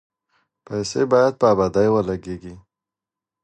پیسې باید په ابادۍ ولګیږي.